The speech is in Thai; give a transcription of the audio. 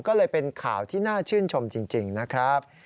ก็เลยเป็นข่าวที่น่าชื่นชมจริงนะครับ